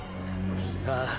ああ。